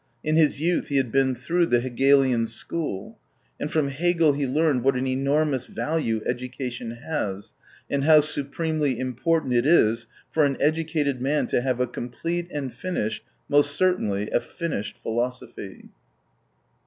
In his youth he had been through the Hegelian school. And from Hegel helearned what an enormous value education has, and how supremely important it is for an educated man to have a complete and finished— mQst certainly a " finished " philosophy.